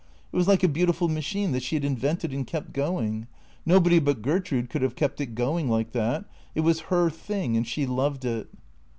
It was like a beautiful machine that she had invented and kept going. Nobody but Gertrude could have kept it going like that. It was her thing and she loved it."